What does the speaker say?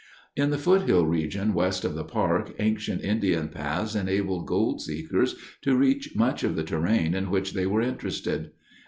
In the foothill region west of the park ancient Indian paths enabled gold seekers to reach much of the terrain in which they were interested.